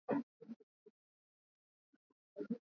Mazishi ya namna hii huwa hayafanyiki kwa kila mtu